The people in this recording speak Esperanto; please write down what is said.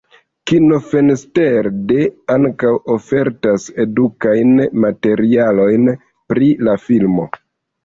Kinofenster.de ankaŭ ofertas edukajn materialojn pri la filmo.